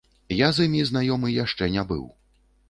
Я з імі знаёмы яшчэ не быў.